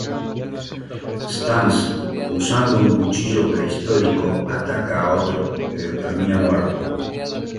Stans, usando un cuchillo prehistórico, ataca a otro pero termina muerto.